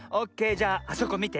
じゃああそこみて。